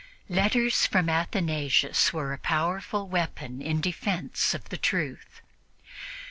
Letters from Athanasius were a powerful weapon in defense of the truth.